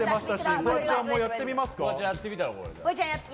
フワちゃんもやってみますか？